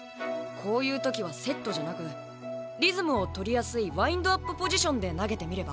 こういう時はセットじゃなくリズムを取りやすいワインドアップポジションで投げてみれば？